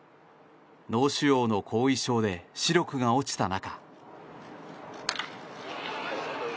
脳腫瘍の後遺症で視力が落ちた中。